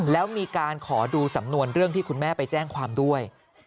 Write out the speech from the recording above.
แล้วมีการขอดูสำนวนเรื่องที่คุณแม่ไปแจ้งความด้วย